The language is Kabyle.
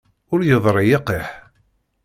Ur yeḍṛi yiqiḥ.